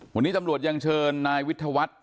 วันนี้ตำรวจยังเชิญนายวิทยาวัฒน์